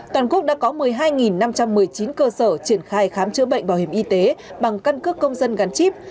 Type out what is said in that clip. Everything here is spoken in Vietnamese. toàn quốc đã có một mươi hai năm trăm một mươi chín cơ sở triển khai khám chữa bệnh bảo hiểm y tế bằng căn cước công dân gắn chip